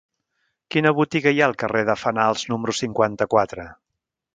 Quina botiga hi ha al carrer de Fenals número cinquanta-quatre?